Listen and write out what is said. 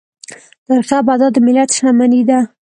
تاریخي ابدات د ملت شتمني ده.